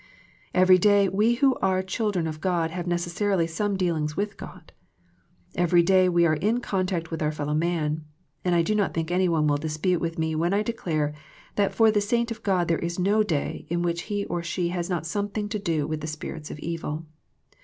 Every day we who are children of God have necessarily some dealings with God ; every day we are in contact with our fellow man ; and I do not think any one will dispute with me when I declare that for the saint of God there is no day in which he or she has not something to do with the spirits of evil.